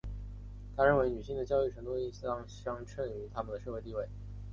她认为女性的教育程度应当相称于她们的社会地位。